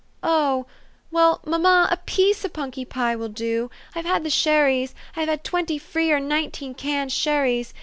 u Oh! well, mamma, a piece o' punky pie will do. I've had the sherries. I've had twenty free or nineteen canned sherries.